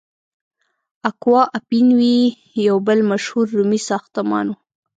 اکوا اپین وی یو بل مشهور رومي ساختمان و.